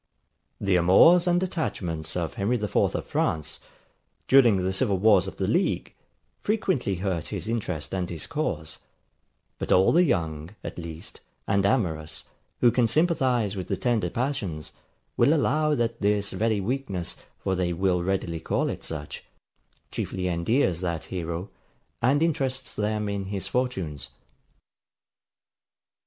] The amours and attachments of Harry the IVth of France, during the civil wars of the league, frequently hurt his interest and his cause; but all the young, at least, and amorous, who can sympathize with the tender passions, will allow that this very weakness, for they will readily call it such, chiefly endears that hero, and interests them in his fortunes.